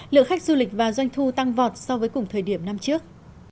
lượng khách du lịch và doanh thu tăng vọt so với cùng thời điểm năm trước